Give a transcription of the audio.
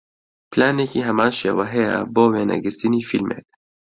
پلانێکی هەمان شێوە هەیە بۆ وێنەگرتنی فیلمێک